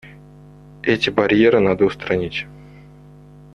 Эти барьеры надо устранить.